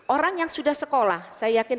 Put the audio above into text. orang yang sudah sekolah saya yakin